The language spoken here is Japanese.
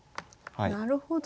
なるほど。